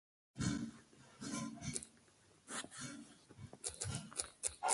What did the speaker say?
Both coronets are now kept at the National Museum Cardiff.